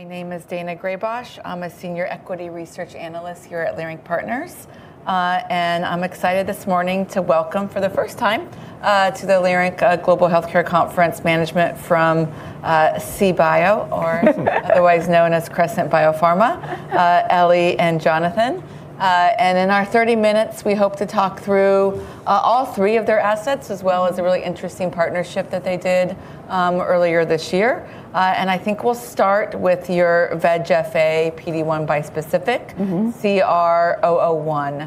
My name is Daina Graybosch. I'm a senior equity research analyst here at Leerink Partners. I'm excited this morning to welcome for the first time to the Leerink Global Healthcare Conference management from Crescent Biopharma or otherwise known as Crescent Biopharma, Ellie and Jonathan. In our 30 minutes we hope to talk through all three of their assets as well as a really interesting partnership that they did earlier this year. I think we'll start with your VEGF-A/PD-1 bispecific- Mm-hmm CR-001.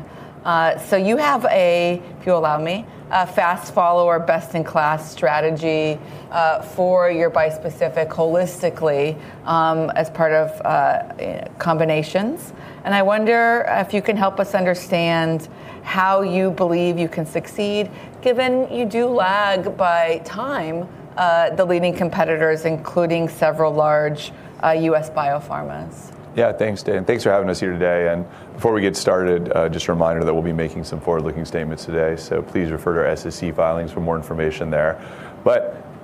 If you allow me, you have a fast follower best-in-class strategy for your bispecific holistically as part of combinations. I wonder if you can help us understand how you believe you can succeed given you do lag behind the leading competitors, including several large US biopharmas. Yeah. Thanks, Daina. Thanks for having us here today. Before we get started, just a reminder that we'll be making some forward-looking statements today, so please refer to our SEC filings for more information there.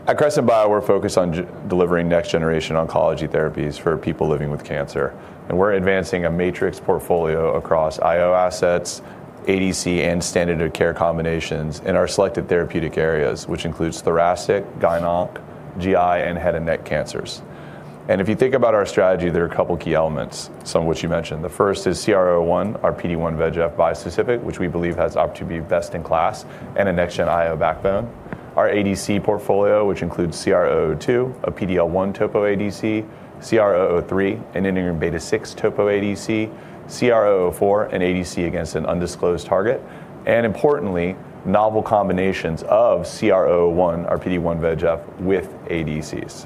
At Crescent Bio, we're focused on delivering next generation oncology therapies for people living with cancer. We're advancing a matrix portfolio across IO assets, ADC and standard of care combinations in our selected therapeutic areas, which includes thoracic, Gyn-Onc, GI, and head and neck cancers. If you think about our strategy, there are a couple key elements, some of which you mentioned. The first is CR-001, our PD-1/VEGF bispecific, which we believe has opportunity to be best in class and a next gen IO backbone. Our ADC portfolio, which includes CR-002, a PD-L1 Topo ADC, CR-003, an integrin beta-6 Topo ADC, CR-004, an ADC against an undisclosed target, and importantly, novel combinations of CR-001, our PD-1/VEGF with ADCs.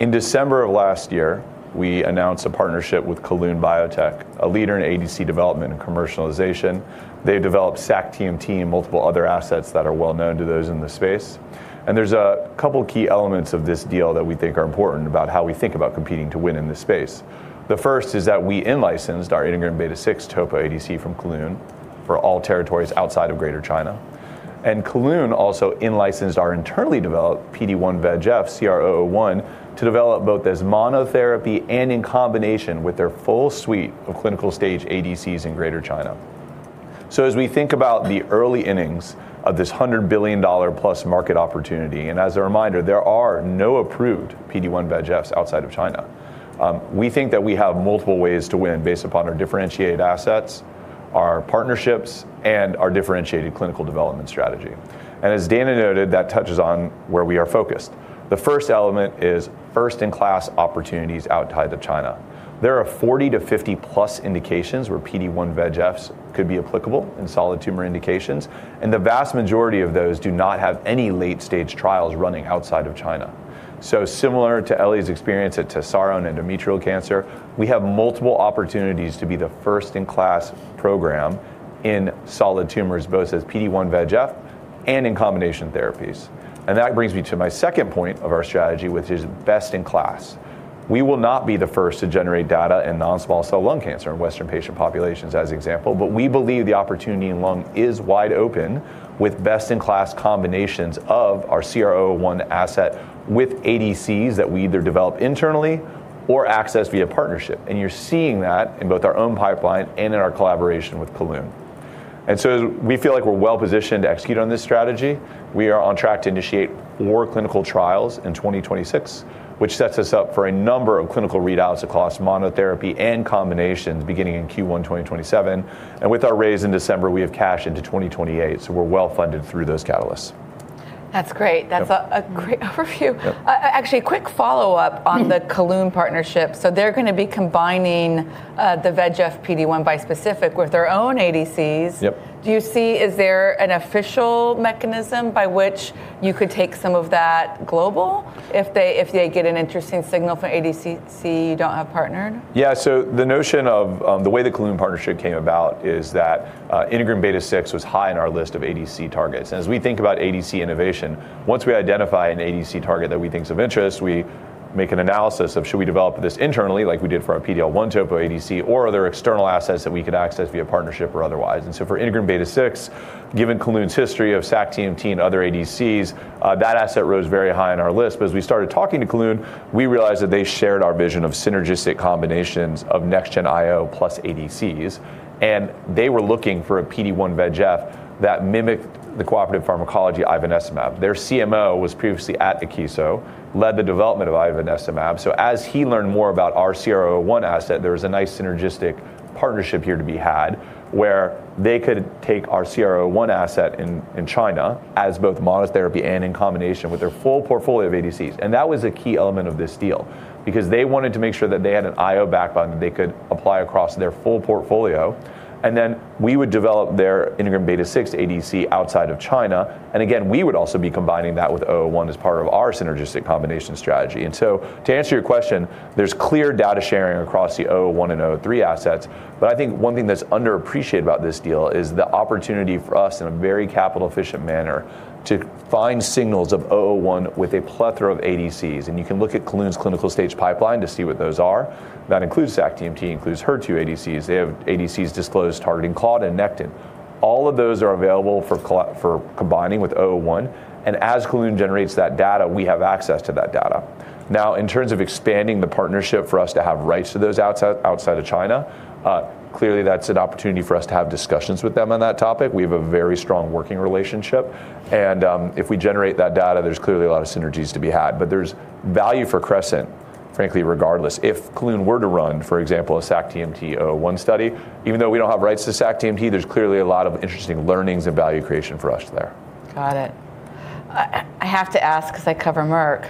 In December of last year, we announced a partnership with Kelun-Biotech, a leader in ADC development and commercialization. They developed sac-TMT and multiple other assets that are well known to those in the space. There's a couple key elements of this deal that we think are important about how we think about competing to win in this space. The first is that we in-licensed our integrin beta-6 Topo ADC from Kelun for all territories outside of Greater China. Kelun also in-licensed our internally developed PD-1/VEGF CR-001 to develop both as monotherapy and in combination with their full suite of clinical stage ADCs in Greater China. As we think about the early innings of this $100 billion+ market opportunity, and as a reminder, there are no approved PD-1/VEGFs outside of China. We think that we have multiple ways to win based upon our differentiated assets, our partnerships, and our differentiated clinical development strategy. As Daina noted, that touches on where we are focused. The first element is first-in-class opportunities outside of China. There are 40-50+ indications where PD-1/VEGFs could be applicable in solid tumor indications, and the vast majority of those do not have any late-stage trials running outside of China. Similar to Ellie's experience at Tesaro and endometrial cancer, we have multiple opportunities to be the first-in-class program in solid tumors, both as PD-1/VEGF and in combination therapies. That brings me to my second point of our strategy, which is best in class. We will not be the first to generate data in non-small cell lung cancer in Western patient populations as example, but we believe the opportunity in lung is wide open with best in class combinations of our CR-001 asset with ADCs that we either develop internally or access via partnership. You're seeing that in both our own pipeline and in our collaboration with Kelun. We feel like we're well positioned to execute on this strategy. We are on track to initiate more clinical trials in 2026, which sets us up for a number of clinical readouts across monotherapy and combinations beginning in Q1 2027. With our raise in December, we have cash into 2028, so we're well funded through those catalysts. That's great. Yeah. That's a great overview. Yeah. Actually a quick follow-up on the Kelun partnership. They're gonna be combining the VEGF PD-1 bispecific with their own ADCs. Yep. Is there an official mechanism by which you could take some of that global if they get an interesting signal from ADCs you don't have partnered? The notion of the way the Kelun partnership came about is that integrin beta-6 was high on our list of ADC targets. As we think about ADC innovation, once we identify an ADC target that we think is of interest, we make an analysis of should we develop this internally like we did for our PD-L1 Topo ADC or are there external assets that we could access via partnership or otherwise. For integrin beta-6, given Kelun's history of sac-TMT and other ADCs, that asset rose very high on our list. As we started talking to Kelun, we realized that they shared our vision of synergistic combinations of next gen IO plus ADCs, and they were looking for a PD-1/VEGF that mimicked the cooperative pharmacology ivonescimab. Their CMO was previously at Akeso, led the development of ivonescimab. As he learned more about our CR-001 asset, there was a nice synergistic partnership here to be had where they could take our CR-001 asset in China as both monotherapy and in combination with their full portfolio of ADCs. That was a key element of this deal because they wanted to make sure that they had an IO backbone that they could apply across their full portfolio, and then we would develop their integrin beta-6 ADC outside of China. Again, we would also be combining that with CR-001 as part of our synergistic combination strategy. To answer your question, there's clear data sharing across the CR-001 and CR-003 assets, but I think one thing that's underappreciated about this deal is the opportunity for us in a very capital efficient manner to find signals of CR-001 with a plethora of ADCs. You can look at Kelun's clinical stage pipeline to see what those are. That includes sac-TMT, includes HER2 ADCs. They have ADCs disclosed targeting Claudin and Nectin. All of those are available for combining with CR-001, and as Kelun generates that data, we have access to that data. Now, in terms of expanding the partnership for us to have rights to those outside of China, clearly that's an opportunity for us to have discussions with them on that topic. We have a very strong working relationship and, if we generate that data, there's clearly a lot of synergies to be had. There's value for Crescent. Frankly, regardless, if Kelun were to run, for example, a sac-TMT CR-001 study, even though we don't have rights to sac-TMT, there's clearly a lot of interesting learnings and value creation for us there. Got it. I have to ask 'cause I cover Merck.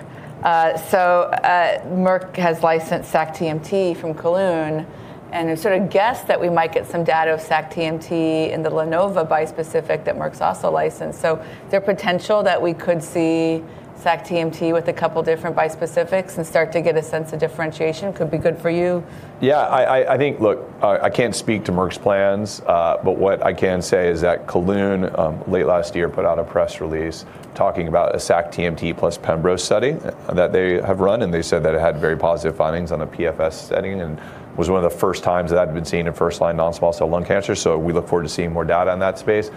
Merck has licensed sac-TMT from Kelun, and I sort of guessed that we might get some data of sac-TMT in the novel bispecific that Merck's also licensed. Is there potential that we could see sac-TMT with a couple different bispecifics and start to get a sense of differentiation? Could be good for you. Look, I can't speak to Merck's plans, but what I can say is that Kelun late last year put out a press release talking about a sac-TMT plus pembro study that they have run, and they said that it had very positive findings on a PFS setting, and was one of the first times that had been seen in first-line non-small cell lung cancer. We look forward to seeing more data in that space.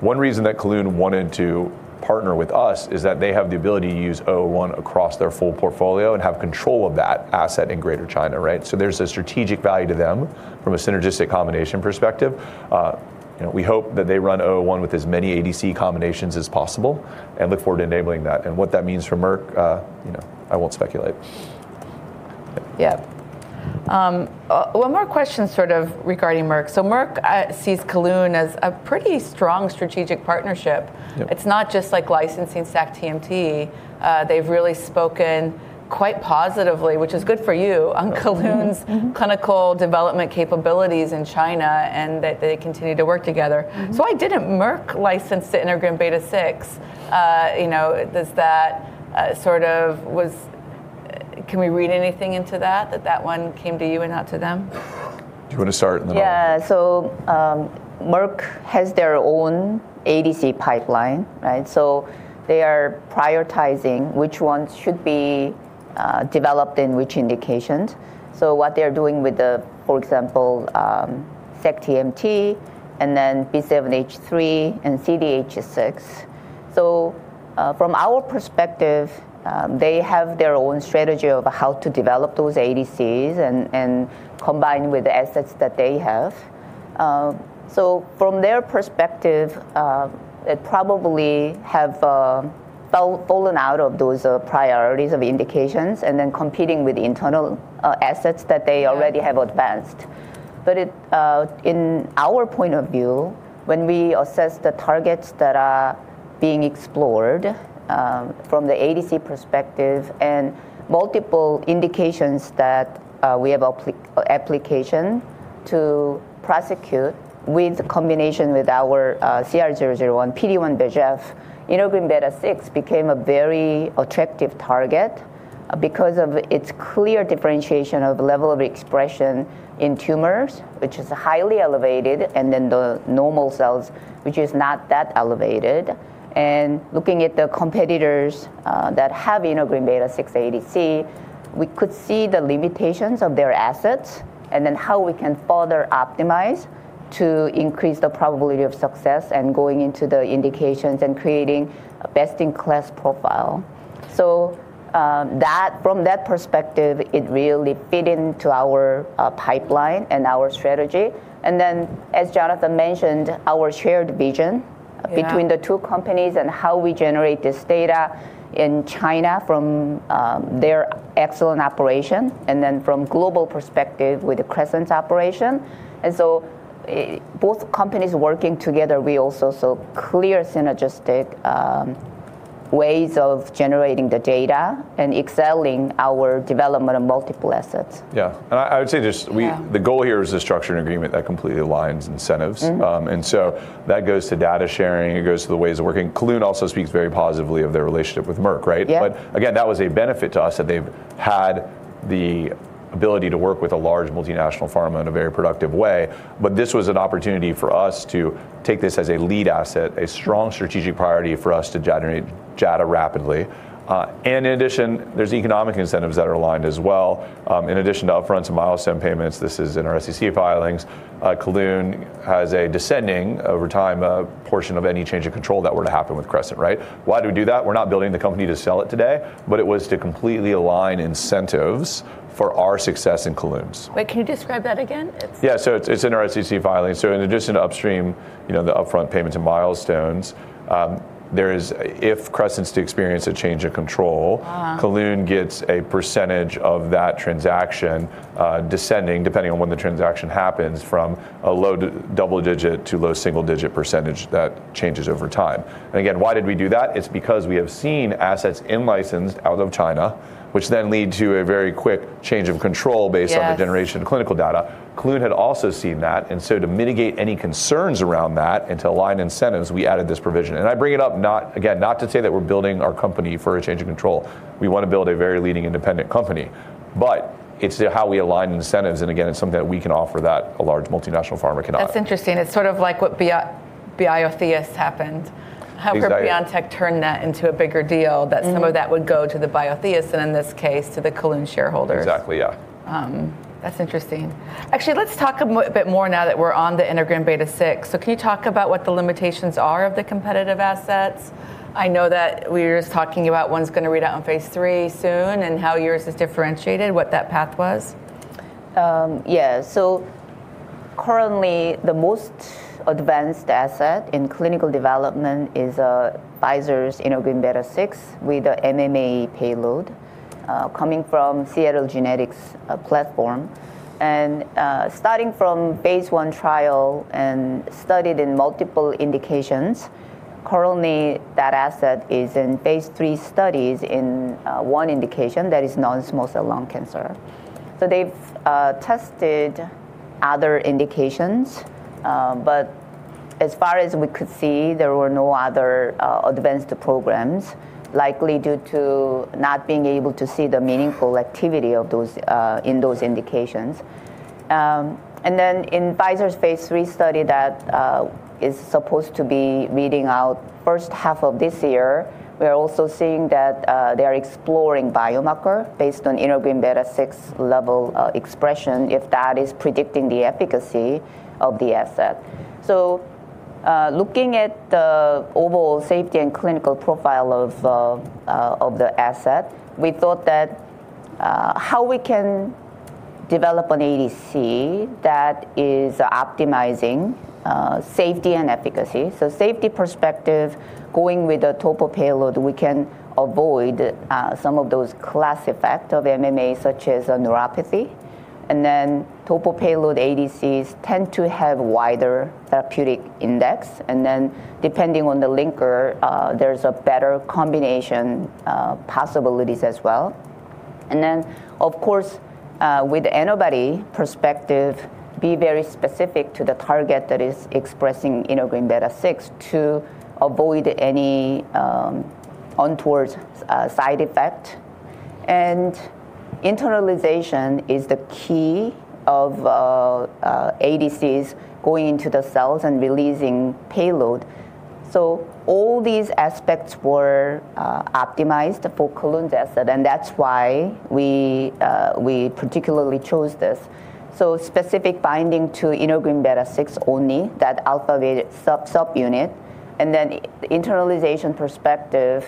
One reason that Kelun wanted to partner with us is that they have the ability to use CR-001 across their full portfolio and have control of that asset in Greater China, right? There's a strategic value to them from a synergistic combination perspective. You know, we hope that they run CR-001 with as many ADC combinations as possible and look forward to enabling that. What that means for Merck, you know, I won't speculate. Yeah. One more question sort of regarding Merck. Merck sees Kelun as a pretty strong strategic partnership. Yep. It's not just like licensing sac-TMT. They've really spoken quite positively, which is good for you. Mm-hmm Clinical development capabilities in China and that they continue to work together. Mm-hmm. Why didn't Merck license the integrin beta-6? You know, can we read anything into that one came to you and not to them? Do you wanna start and then I'll? Yeah. Merck has their own ADC pipeline, right? They are prioritizing which ones should be developed in which indications. What they're doing with the, for example, sacituzumab tirumotecan and then B7H3 and CDH6. From our perspective, they have their own strategy of how to develop those ADCs and combine with the assets that they have. From their perspective, it probably have fallen out of those priorities of indications and then competing with the internal assets that they already have advanced. In our point of view, when we assess the targets that are being explored from the ADC perspective and multiple indications that we have application to prosecute with combination with our CR-001, PD-1/VEGF, integrin beta-6 became a very attractive target because of its clear differentiation of level of expression in tumors, which is highly elevated, and then the normal cells, which is not that elevated. Looking at the competitors that have integrin beta-6 ADC, we could see the limitations of their assets and then how we can further optimize to increase the probability of success and going into the indications and creating a best-in-class profile. From that perspective, it really fit into our pipeline and our strategy. As Jonathan mentioned, our shared vision. Yeah Between the two companies and how we generate this data in China from their excellent operation and then from global perspective with the Crescent operation. Both companies working together, we also saw clear synergistic ways of generating the data and excelling our development of multiple assets. Yeah. I would say there's Yeah. The goal here is a structured agreement that completely aligns incentives. Mm-hmm. That goes to data sharing, it goes to the ways of working. Kelun also speaks very positively of their relationship with Merck, right? Yeah. Again, that was a benefit to us that they've had the ability to work with a large multinational pharma in a very productive way. This was an opportunity for us to take this as a lead asset, a strong strategic priority for us to generate data rapidly. In addition, there's economic incentives that are aligned as well. In addition to upfront some milestone payments, this is in our SEC filings. Kelun has a descending over time portion of any change of control that were to happen with Crescent, right? Why do we do that? We're not building the company to sell it today, but it was to completely align incentives for our success and Kelun's. Wait, can you describe that again? It's in our SEC filing. In addition to upstream, you know, the upfront payments and milestones, there is if Crescent's to experience a change of control. Ah Kelun gets a percentage of that transaction, descending depending on when the transaction happens from a low double-digit to low single-digit percentage that changes over time. Why did we do that? It's because we have seen assets in-licensed out of China, which then lead to a very quick change of control based on- Yes The generation of clinical data. Kelun had also seen that, and so to mitigate any concerns around that and to align incentives, we added this provision. I bring it up, not, again, not to say that we're building our company for a change of control. We wanna build a very leading independent company. It's how we align incentives, and again, it's something that we can offer that a large multinational pharma cannot. That's interesting. It's sort of like what BioAtla happened. Exactly How could BioNTech turn that into a bigger deal that some of that would go to the BioAtla and in this case, to the Kelun shareholders? Exactly. Yeah. That's interesting. Actually, let's talk a bit more now that we're on the integrin beta-6. Can you talk about what the limitations are of the competitive assets? I know that we were just talking about one's gonna read out on phase III soon and how yours is differentiated, what that path was? Currently, the most advanced asset in clinical development is Pfizer's integrin beta-6 with a MMAE payload coming from Seattle Genetics platform. Starting from phase I trial and studied in multiple indications, currently that asset is in phase III studies in one indication, that is non-small cell lung cancer. They've tested other indications. As far as we could see, there were no other advanced programs likely due to not being able to see the meaningful activity of those in those indications. In Pfizer's phase III study that is supposed to be reading out first half of this year, we are also seeing that they are exploring biomarker based on integrin beta-6 level expression if that is predicting the efficacy of the asset. Looking at the overall safety and clinical profile of the asset, we thought that how we can develop an ADC that is optimizing safety and efficacy. From a safety perspective, going with the topo payload, we can avoid some of those class effect of MMAE, such as neuropathy. Topo payload ADCs tend to have wider therapeutic index. Depending on the linker, there's a better combination possibilities as well. Of course, with antibody perspective, be very specific to the target that is expressing integrin beta-6 to avoid any untoward side effect. Internalization is the key of ADCs going into the cells and releasing payload. All these aspects were optimized for Kelun's asset, and that's why we particularly chose this. Specific binding to integrin beta-6 only, that activated sub-unit, and then the internalization perspective,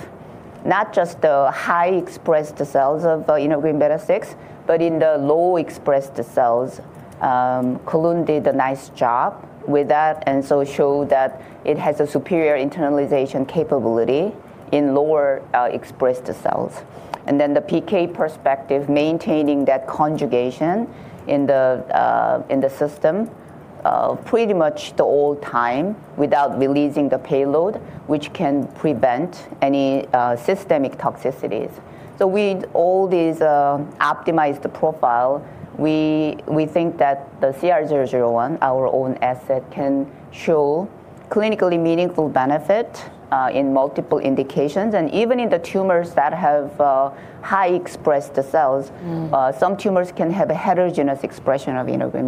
not just the highly expressed cells of the integrin beta-6, but in the low expressed cells. Kelun did a nice job with that, and so showed that it has a superior internalization capability in lower expressed cells. Then the PK perspective, maintaining that conjugation in the system pretty much the whole time without releasing the payload, which can prevent any systemic toxicities. With all these optimized profile, we think that the CR-001, our own asset, can show clinically meaningful benefit in multiple indications. Even in the tumors that have highly expressed cells, some tumors can have a heterogeneous expression of integrin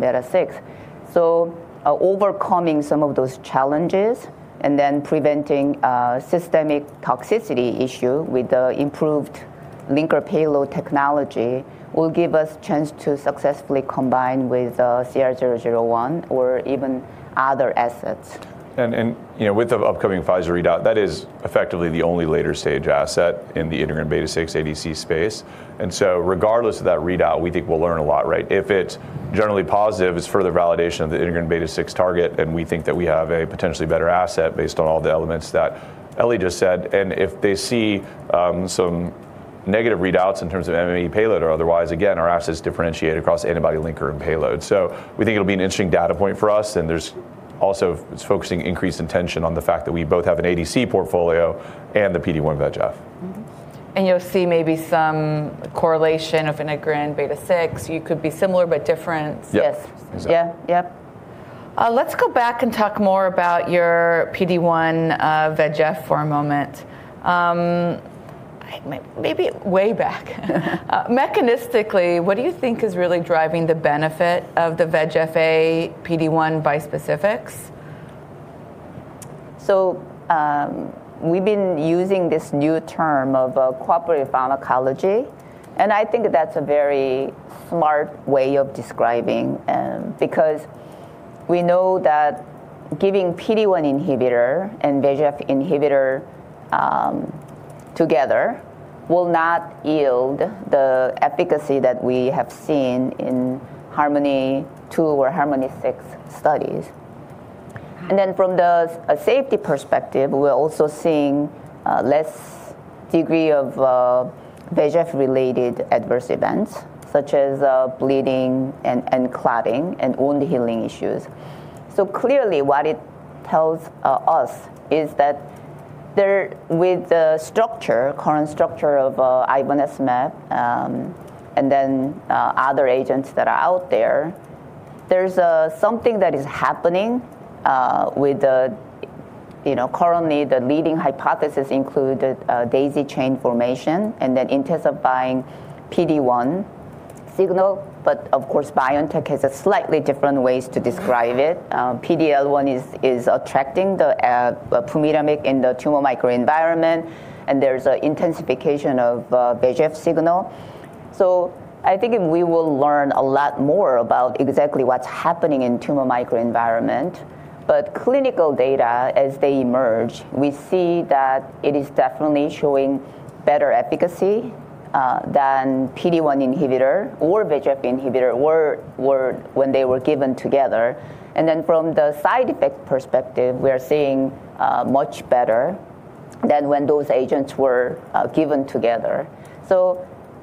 beta-6. Overcoming some of those challenges and then preventing systemic toxicity issue with the improved linker payload technology will give us a chance to successfully combine with CR-001 or even other assets. You know, with the upcoming Pfizer readout, that is effectively the only later-stage asset in the integrin beta-6 ADC space. Regardless of that readout, we think we'll learn a lot, right? If it's generally positive, it's further validation of the integrin beta-6 target, and we think that we have a potentially better asset based on all the elements that Ellie just said. If they see some negative readouts in terms of MMAE payload or otherwise, again, our asset's differentiated across antibody linker and payload. We think it'll be an interesting data point for us. There's also it's focusing increased attention on the fact that we both have an ADC portfolio and the PD-1/VEGF. Mm-hmm. You'll see maybe some correlation of integrin beta-6. You could be similar but different. Yeah. Yes. Yeah. Yep. Let's go back and talk more about your PD-1/VEGF for a moment. Maybe way back. Mechanistically, what do you think is really driving the benefit of the VEGF-A/PD-1 bispecifics? We've been using this new term of cooperative pharmacology, and I think that's a very smart way of describing because we know that giving PD-1 inhibitor and VEGF inhibitor together will not yield the efficacy that we have seen in HARMONi-2 or HARMONi-6 studies. From a safety perspective, we're also seeing less degree of VEGF-related adverse events such as bleeding and clotting and wound healing issues. Clearly what it tells us is that with the current structure of ivonescimab and then other agents that are out there's something that is happening with the. You know, currently the leading hypothesis include the daisy chain formation and then intensifying PD-1 signal. Of course, BioNTech has a slightly different ways to describe it. PD-L1 is attracting the pumitamig in the tumor microenvironment, and there's an intensification of VEGF signal. I think we will learn a lot more about exactly what's happening in tumor microenvironment. Clinical data, as they emerge, we see that it is definitely showing better efficacy than PD-1 inhibitor or VEGF inhibitor were when they were given together. From the side effect perspective, we are seeing much better than when those agents were given together.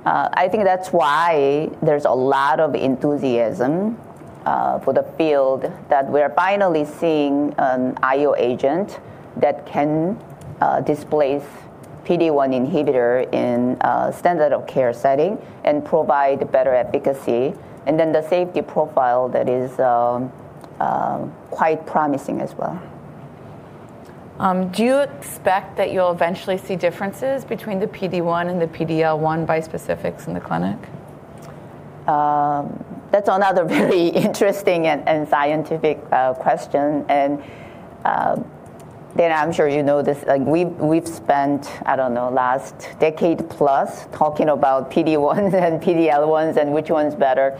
I think that's why there's a lot of enthusiasm for the field that we're finally seeing an IO agent that can displace PD-1 inhibitor in a standard of care setting and provide better efficacy, and then the safety profile that is quite promising as well. Do you expect that you'll eventually see differences between the PD-1 and the PDL-1 bispecifics in the clinic? That's another very interesting and scientific question. Daina, I'm sure you know this, like, we've spent, I don't know, last decade plus talking about PD-1s and PDL-1s and which one's better.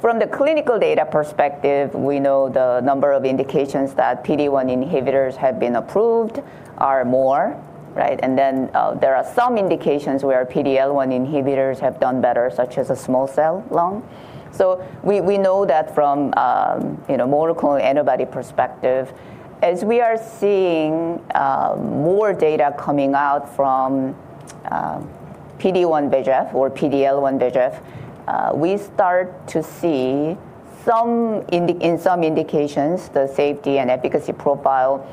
From the clinical data perspective, we know the number of indications that PD-1 inhibitors have been approved are more, right? There are some indications where PDL-1 inhibitors have done better, such as a small cell lung. We know that from, you know, monoclonal antibody perspective. As we are seeing, more data coming out from PD-1/VEGF or PDL-1/VEGF, we start to see some indications, the safety and efficacy profile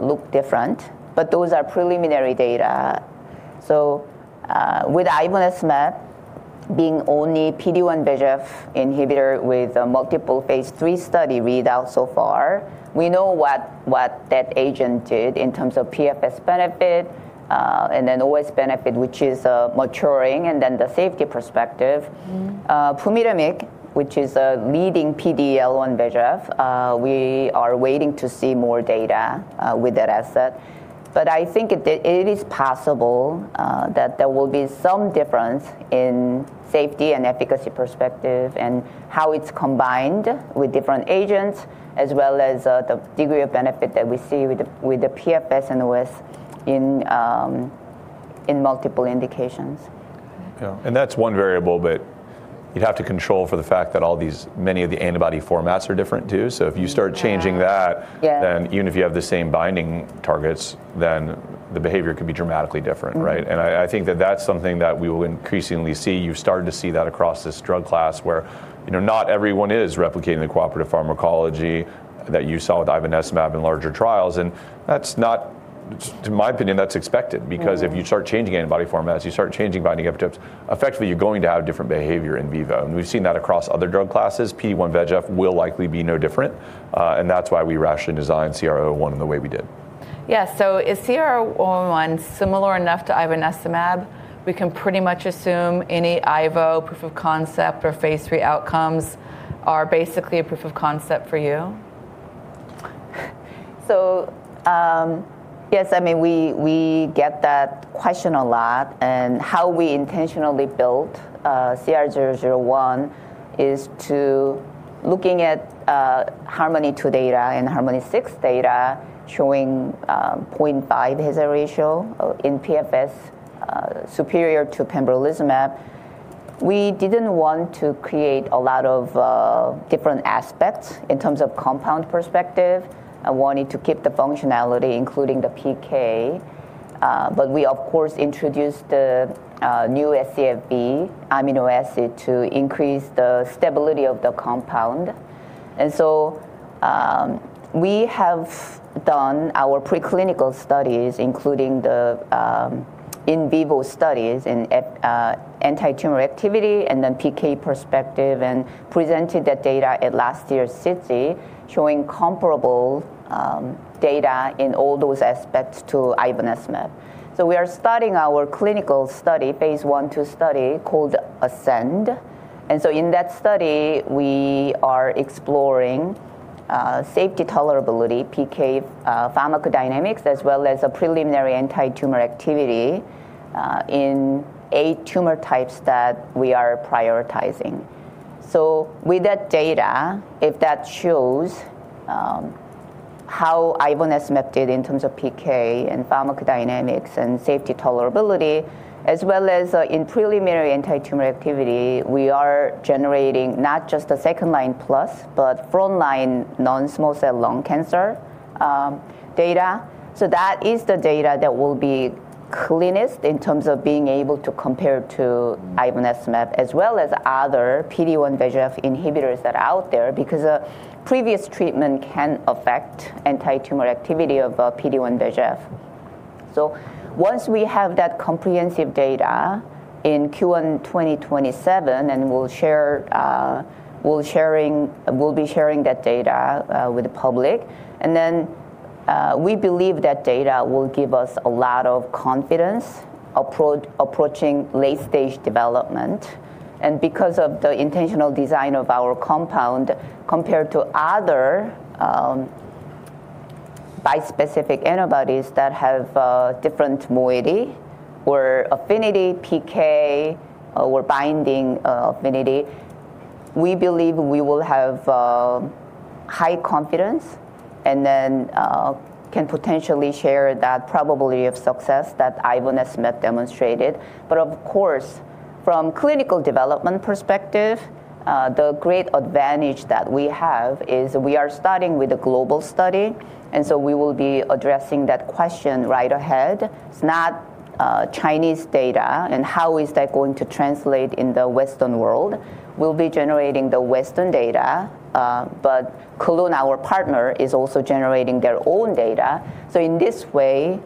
look different, but those are preliminary data. With ivonescimab being only PD-1/VEGF inhibitor with multiple phase III study readout so far, we know what that agent did in terms of PFS benefit, and then OS benefit, which is maturing, and then the safety perspective. Pumitamig, which is a leading PD-L1/VEGF, we are waiting to see more data with that asset. I think it is possible that there will be some difference in safety and efficacy perspective and how it's combined with different agents as well as the degree of benefit that we see with the PFS and OS in multiple indications. Okay. Yeah. That's one variable, but you'd have to control for the fact that many of the antibody formats are different too. If you start changing that. Yes. Yeah. Even if you have the same binding targets, then the behavior could be dramatically different, right? Mm-hmm. I think that that's something that we will increasingly see. You've started to see that across this drug class where, you know, not everyone is replicating the cooperative pharmacology that you saw with ivonescimab in larger trials. That's not, in my opinion, that's expected because- Mm-hmm ...if you start changing antibody formats, you start changing binding affinities, effectively you're going to have different behavior in vivo. We've seen that across other drug classes. PD-1/VEGF will likely be no different. That's why we rationally designed CR-001 in the way we did. Yeah. Is CR-001 similar enough to ivonescimab? We can pretty much assume any ivo proof of concept or phase three outcomes are basically a proof of concept for you? Yes. I mean, we get that question a lot and how we intentionally built CR-001 is to looking at harmony two data and harmony six data showing 0.5 hazard ratio in PFS superior to pembrolizumab. We didn't want to create a lot of different aspects in terms of compound perspective and wanting to keep the functionality, including the PK. But we of course introduced the new ScFv amino acid to increase the stability of the compound. We have done our preclinical studies, including the in vivo studies in antitumor activity and then PK perspective and presented that data at last year's SITC, showing comparable data in all those aspects to ivonescimab. We are starting our clinical study, phase I/II study called ASCEND. In that study, we are exploring safety, tolerability, PK, pharmacodynamics, as well as preliminary antitumor activity in eight tumor types that we are prioritizing. With that data, if that shows how ivonescimab did in terms of PK and pharmacodynamics and safety, tolerability, as well as in preliminary antitumor activity, we are generating not just the second-line plus, but frontline non-small cell lung cancer data. That is the data that will be cleanest in terms of being able to compare to ivonescimab as well as other PD-1/VEGF inhibitors that are out there because a previous treatment can affect antitumor activity of PD-1/VEGF. Once we have that comprehensive data in Q1 2027, we'll be sharing that data with the public. We believe that data will give us a lot of confidence approaching late stage development. Because of the intentional design of our compound compared to other bispecific antibodies that have different moiety or affinity PK or binding affinity. We believe we will have high confidence and then can potentially share that probability of success that ivonescimab demonstrated. Of course, from clinical development perspective, the great advantage that we have is we are starting with a global study, and so we will be addressing that question right ahead. It's not Chinese data and how is that going to translate in the Western world. We'll be generating the Western data, but Kelun, our partner, is also generating their own data. In this way,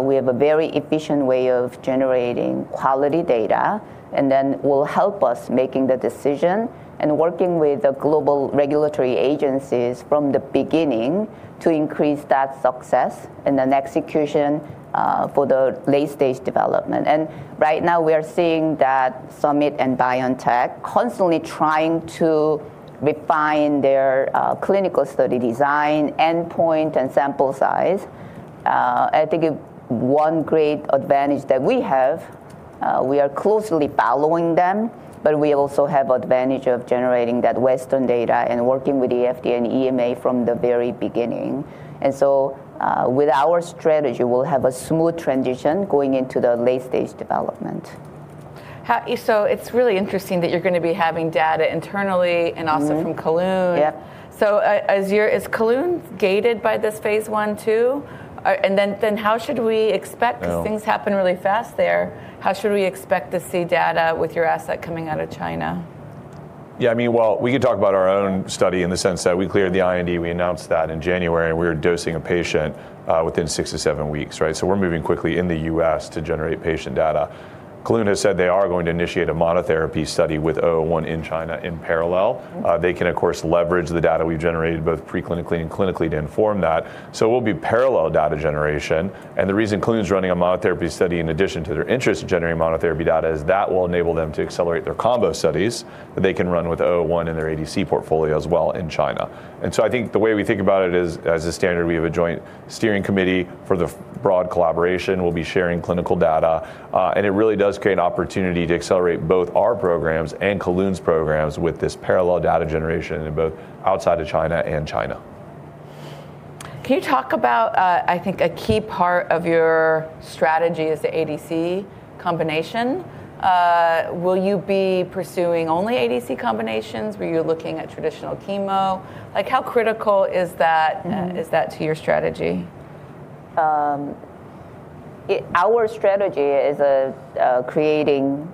we have a very efficient way of generating quality data, and then will help us making the decision and working with the global regulatory agencies from the beginning to increase that success in an execution, for the late stage development. Right now we are seeing that Summit Therapeutics and BioNTech constantly trying to refine their clinical study design, endpoint, and sample size. I think one great advantage that we have, we are closely following them, but we also have advantage of generating that Western data and working with the FDA and EMA from the very beginning. With our strategy, we'll have a smooth transition going into the late stage development. It's really interesting that you're gonna be having data internally. Mm-hmm and also from Kelun. Yep. Is Kelun gated by this phase I too? Then how should we expect- No 'Cause things happen really fast there, how should we expect to see data with your asset coming out of China? Yeah, I mean, well, we can talk about our own study in the sense that we cleared the IND, we announced that in January, and we were dosing a patient within six to seven weeks, right? We're moving quickly in the U.S. to generate patient data. Kelun has said they are going to initiate a monotherapy study with 001 in China in parallel. Mm-hmm. They can of course leverage the data we've generated both pre-clinically and clinically to inform that. It will be parallel data generation, and the reason Kelun's running a monotherapy study in addition to their interest in generating monotherapy data is that will enable them to accelerate their combo studies that they can run with our own and their ADC portfolio as well in China. I think the way we think about it is as a standard, we have a joint steering committee for the broad collaboration. We'll be sharing clinical data. It really does create an opportunity to accelerate both our programs and Kelun's programs with this parallel data generation in both outside of China and China. Can you talk about, I think a key part of your strategy is the ADC combination. Will you be pursuing only ADC combinations? Were you looking at traditional chemo? Like, how critical is that? Mm Is that to your strategy? Our strategy is creating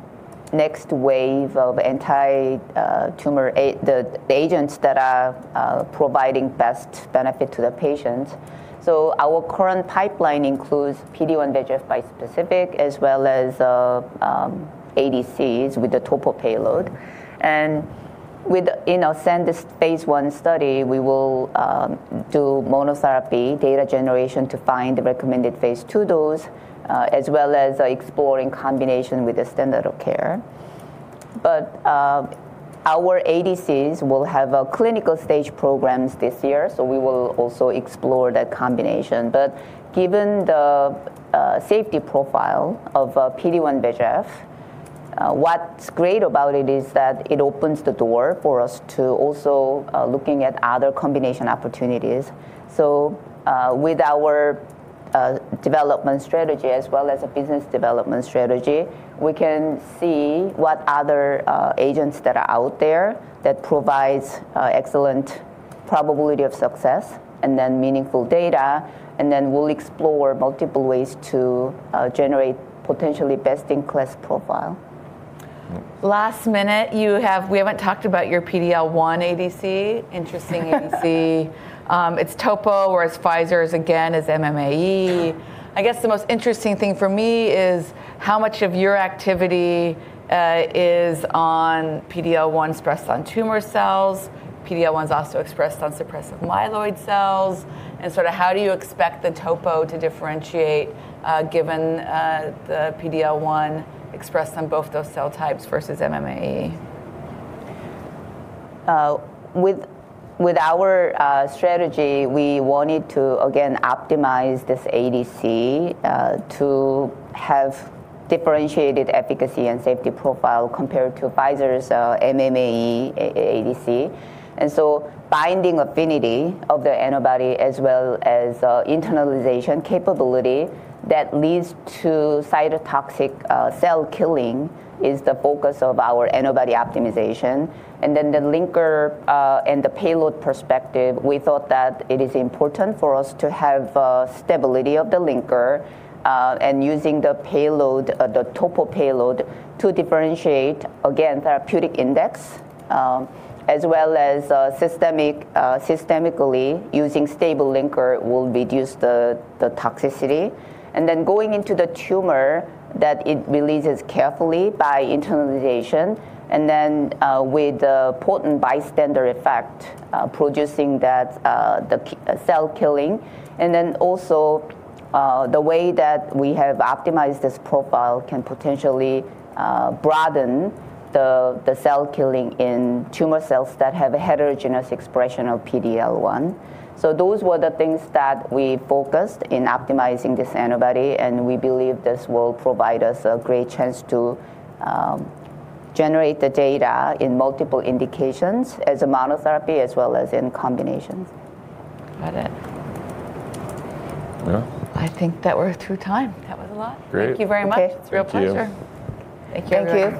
next wave of anti-tumor agents that are providing best benefit to the patients. Our current pipeline includes PD-1/VEGF bispecific as well as ADCs with the topo payload. In our phase I study, we will do monotherapy data generation to find the recommended phase II dose, as well as exploring combination with the standard of care. Our ADCs will have a clinical stage programs this year, so we will also explore that combination. Given the safety profile of PD-1/VEGF, what's great about it is that it opens the door for us to also looking at other combination opportunities. With our development strategy as well as a business development strategy, we can see what other agents that are out there that provides excellent probability of success and then meaningful data, and then we'll explore multiple ways to generate potentially best-in-class profile. Last minute, we haven't talked about your PD-L1 ADC. Interesting ADC. It's Topo, whereas Pfizer's again is MMAE. I guess the most interesting thing for me is how much of your activity is on PD-L1s expressed on tumor cells, PD-L1 is also expressed on suppressive myeloid cells, and sort of how do you expect the Topo to differentiate, given the PD-L1 expressed on both those cell types versus MMAE? With our strategy, we wanted to again optimize this ADC to have differentiated efficacy and safety profile compared to Pfizer's MMAE-based ADC. Binding affinity of the antibody as well as internalization capability that leads to cytotoxic cell killing is the focus of our antibody optimization. The linker and payload perspective, we thought that it is important for us to have stability of the linker and using the payload, the Topo payload to differentiate again therapeutic index, as well as systemically using stable linker will reduce the toxicity. Going into the tumor that it releases carefully by internalization, with the potent bystander effect producing that cell killing. The way that we have optimized this profile can potentially broaden the cell killing in tumor cells that have a heterogeneous expression of PD-L1. Those were the things that we focused in optimizing this antibody, and we believe this will provide us a great chance to generate the data in multiple indications as a monotherapy as well as in combinations. Got it. Well... I think that we're through time. That was a lot. Great. Thank you very much. Okay. It's a real pleasure. Thank you. Thank you.